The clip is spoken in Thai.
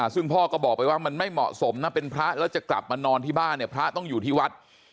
ซึ่งพ่อก็บอกไปว่ามันไม่เหมาะสมนะเป็นพระแล้วจะกลับมานอนที่บ้านเนี่ยพระต้องอยู่ที่วัด